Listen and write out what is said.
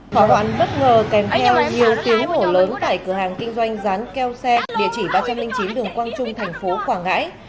hỏa hoạn bất ngờ kèm theo nhiều tiếng hổ lớn tại cửa hàng kinh doanh dán keo xe địa chỉ ba trăm linh chín đường quang trung tp quảng ngãi